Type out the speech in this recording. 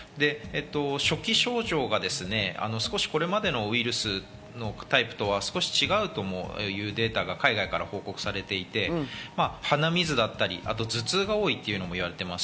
初期症状がこれまでのウイルスのタイプとは少し違うというデータも海外から報告されていて、鼻水だったり、頭痛が多いともいわれています。